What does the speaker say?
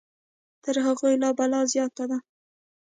تر هغوی لا بلا زیاته ده.